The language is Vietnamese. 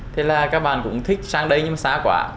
thế là các bạn cũng thích sang đây nhưng xa quá